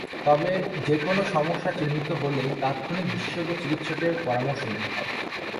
তবে যেকোনো সমস্যা চিহ্নিত হলেই তাৎক্ষণিক বিশেষজ্ঞ চিকিৎসকের পরামর্শ নিতে হবে।